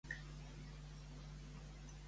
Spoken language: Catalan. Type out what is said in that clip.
I què s'hi faria en la de menor mida?